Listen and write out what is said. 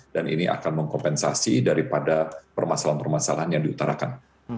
dan ini akan mengkompensasi daripada permasalahan permasalahan yang diutarakan